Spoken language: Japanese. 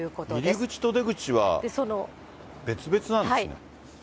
入り口と出口は別々なんですね。